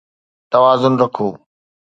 توازن رکو